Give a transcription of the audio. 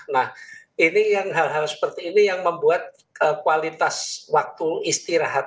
nah ini hal hal seperti ini yang membuat kualitas waktu istirahat